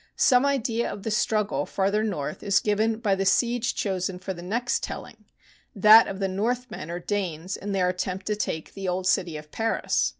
Some idea of the struggle farther north is given by the siege chosen for the next telling — that of the Northmen or Danes in their attempt to take the old city of Paris.